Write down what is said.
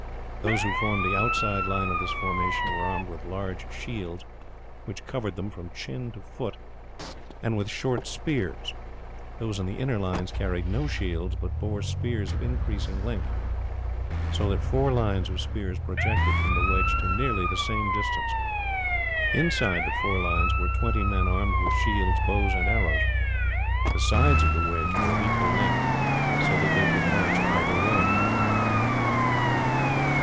Those who formed the outside line of this formation were armed with large shields which covered them from chin to foot, and with short spears; those in the inner lines carried no shields, but bore spears of increasing length, so that four lines of spears projected from the wedge to nearly the same distance. Inside the four lines were twenty men armed with shields, bows, and arrows. The sides of the wedge were of equal length, so that they could march either way.